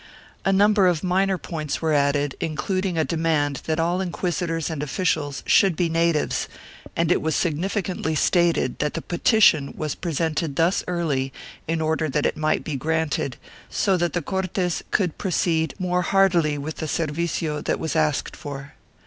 A number of minor points were added, including a demand that all inquis itors and officials should be natives and it was significantly stated that the petition was presented thus early in order that it might be granted, so that the Cortes could proceed more heartily with the servicio that was asked for.